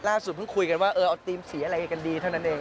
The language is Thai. เพิ่งคุยกันว่าเออเอาธีมสีอะไรกันดีเท่านั้นเอง